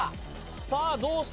さあどうした？